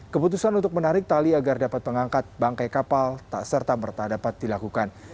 keputusan untuk menarik tali agar dapat mengangkat bangkai kapal tak serta merta dapat dilakukan